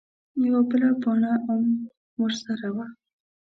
_يوه بله پاڼه ام ورسره وه.